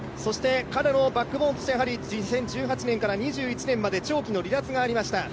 彼のバックボーンとしては２０１８年から２０１９年まで長期の離脱がありました。